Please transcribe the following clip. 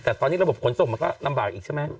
แต่ตอนนี้ระบบขนส่งมันก็ลำบากอีกใช่ไหม